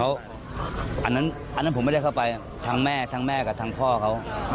อันนั้นผมไม่ได้เข้าไปทั้งแม่ทั้งแม่กับทางพ่อเขา